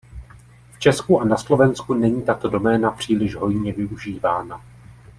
V Česku a na Slovensku není tato doména příliš hojně využívána.